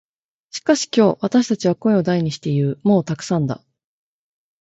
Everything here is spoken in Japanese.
しかし今日、私たちは声を大にして言う。「もうたくさんだ」。